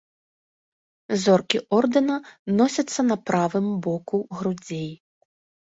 Зоркі ордэна носяцца на правым боку грудзей.